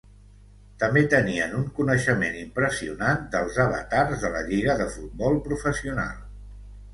També tenien un coneixement impressionant dels avatars de la lliga de futbol professional.